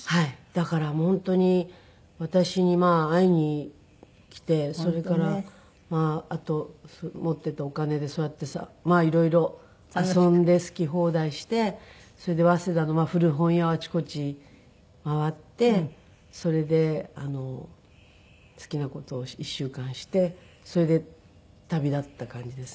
だから本当に私に会いに来てそれからあと持っていたお金でそうやって色々遊んで好き放題してそれで早稲田の古本屋をあちこち回ってそれで好きな事を１週間してそれで旅立った感じですね。